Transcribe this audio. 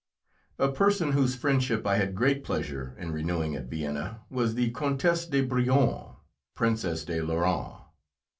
A person whose friendship I had great pleasure in renewing at Vienna was the Countess de Brionne, Princess de Lorraine.